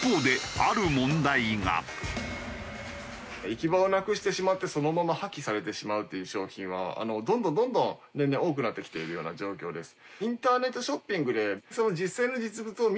行き場をなくしてしまってそのまま破棄されてしまうという商品はどんどんどんどん年々多くなってきているような状況です。